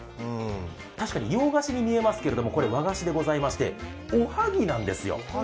確かに洋菓子に見えますけれどもこれ、和菓子でございまして、おはぎなんですよ。